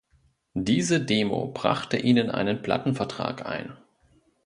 Diese Demo brachte ihnen einen Plattenvertrag ein.